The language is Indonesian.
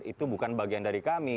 itu bukan bagian dari kami